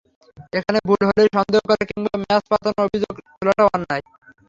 এখানে ভুল হলেই সন্দেহ করা কিংবা ম্যাচ পাতানোর অভিযোগ তোলাটা অন্যায়।